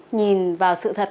nhìn vào sự thật